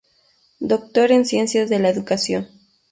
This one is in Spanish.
Doctor en Ciencias de la Educación.